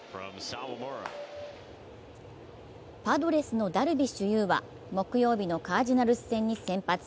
パドレスのダルビッシュ有は木曜日のカージナルス戦に先発。